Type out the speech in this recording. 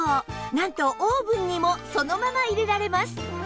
なんとオーブンにもそのまま入れられます